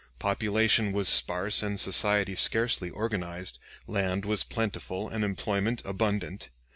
Population was sparse and society scarcely organized, land was plentiful and employment abundant.